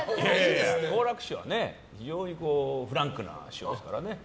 好楽師匠はフランクな師匠ですからね。